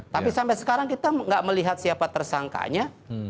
tapi sampai sekarang kita tidak melihat siapa tersangkanya